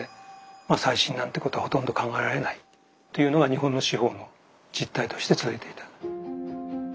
再審なんてことはほとんど考えられないというのが日本の司法の実態として続いていた。